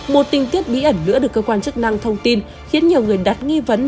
một tình tiết bí ẩn lửa được cơ quan chức năng thông tin khiến nhiều người đắt nghi vấn